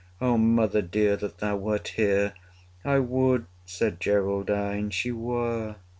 O mother dear! that thou wert here! I would, said Geraldine, she were!